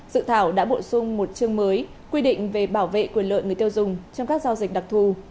dự thảo đã bổ sung một chương mới quy định về bảo vệ quyền lợi người tiêu dùng trong các giao dịch đặc thù